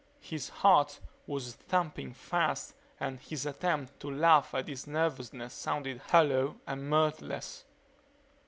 His heart was thumping fast and his attempt to laugh at his nervousness sounded hollow and mirthless.